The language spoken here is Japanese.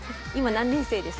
４年生です。